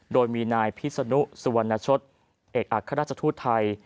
โดยมีนายพิษนุสุวรรณชศเอกอัครราชทูตไทย